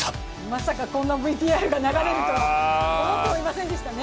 まさかこんなＶＴＲが流れるとは思ってませんでしたね。